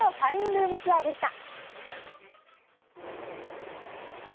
ルームツアー！でした。